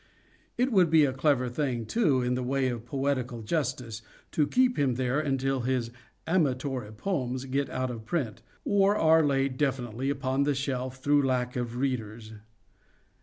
It would be a clever thing, too, in the way of poetical justice, to keep him there until his "Amatory Poems" get out of print, or are laid definitely upon the shelf through lack of readers.